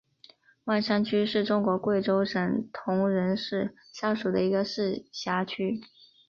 万山区是中国贵州省铜仁市下属的一个市辖区。